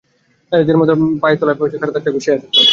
এদের মধ্যে যার পায়ের তলায় কাটা দাগ থাকবে, সে-ই আসল চোর।